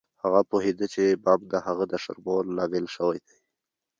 هغه پوهیده چې بم د هغه د شرمولو لامل شوی دی